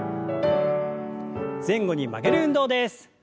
前後に曲げる運動です。